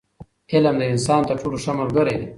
علم د انسان تر ټولو ښه ملګری دی.